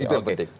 itu yang penting